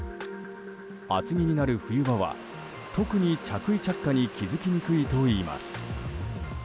厚着になる冬場は特に着衣着火に気づきにくいといいます。